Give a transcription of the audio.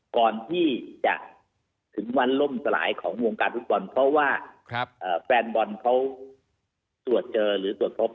ก่อนที่จะถึงวันล่มสลายของวงการฟุตบอลเพราะว่าแฟนบอลเขาตรวจเจอหรือตรวจพบ